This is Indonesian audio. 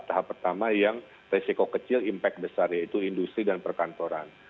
tahap pertama yang resiko kecil impact besar yaitu industri dan perkantoran